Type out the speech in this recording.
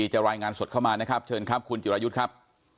รายงานสดเข้ามานะครับเชิญครับคุณจิรายุทธ์ครับ